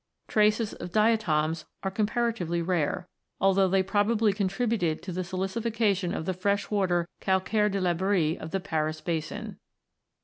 Traces of diatoms are com paratively rare, though they probably contributed to the silicification of the freshwater Calcaire de la Brie of the Paris basin.